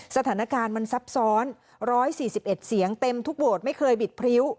สถานการณ์มันซับซ้อน๑๔๑เสียงเต็มทุกโหวตไม่เคยบิดพริ้ว